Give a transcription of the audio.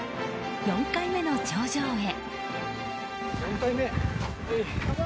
４回目の頂上へ。